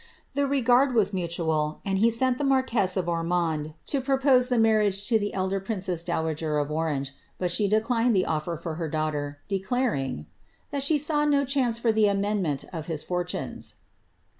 The regard lUtual, and he sent the marquess of Ormond to propose the mar x> the elder princess dowager of Orange, but she declined the oiler r daughter, declaring ^ that she saw no chance for the amendment fortunes."